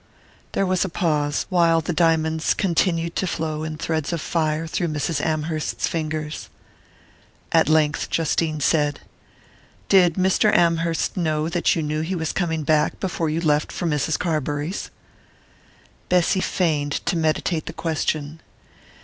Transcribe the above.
There was a pause, while the diamonds continued to flow in threads of fire through Mrs. Amherst's fingers. At length Justine said: "Did Mr. Amherst know that you knew he was coming back before you left for Mrs. Carbury's?" Bessy feigned to meditate the question.